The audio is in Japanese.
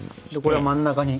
これは真ん中に。